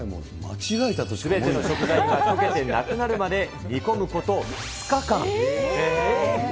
すべての食材が溶けてなくなるまで煮込むこと２日間。